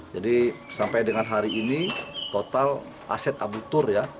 jadi sampai dengan hari ini total aset abutur ya